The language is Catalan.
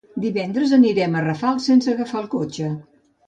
Divendres anirem a Rafal sense agafar el cotxe.